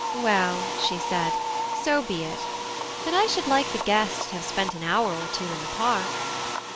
"Well," she said, "so be it; but I should like the guest to have spent an hour or two in the Park."